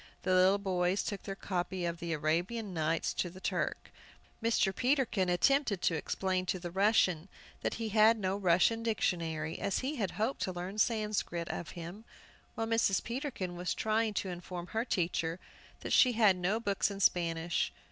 The little boys took their copy of the "Arabian Nights" to the Turk. Mr. Peterkin attempted to explain to the Russian that he had no Russian dictionary, as he had hoped to learn Sanscrit of him, while Mrs. Peterkin was trying to inform her teacher that she had no books in Spanish.